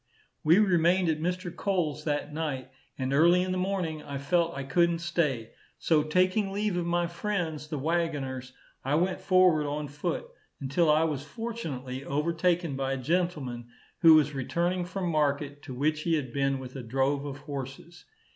We remained at Mr. Coles that night, and early in the morning I felt that I couldn't stay; so, taking leave of my friends the waggoners, I went forward on foot, until I was fortunately overtaken by a gentleman, who was returning from market, to which he had been with a drove of horses.